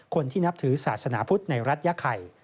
คนที่นับถือศาสนาพุทธในรัฐยาไข่